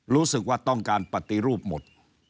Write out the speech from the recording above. รู้สึกว่าต้องการปฏิรูปหมด